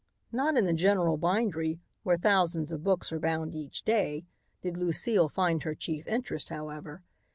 Not in the general bindery, where thousands of books are bound each day, did Lucile find her chief interest, however.